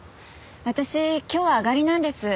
私今日あがりなんです。